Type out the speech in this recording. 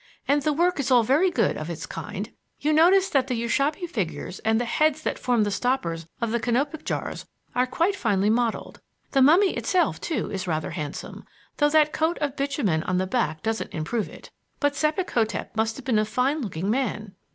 And the work is all very good of its kind. You notice that the Ushabti figures and the heads that form the stoppers of the Canopic jars are quite finely modeled. The mummy itself, too, is rather handsome, though that coat of bitumen on the back doesn't improve it. But Sebek hotep must have been a fine looking man."